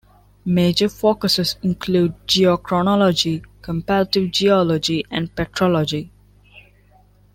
Major focuses include geochronology, comparative geology, and petrology.